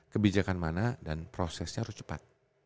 kebijakan mana dan prosesnya harus cepat